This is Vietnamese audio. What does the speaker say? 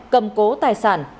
cầm cố tài sản